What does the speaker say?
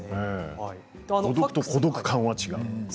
孤独と孤独感は違う。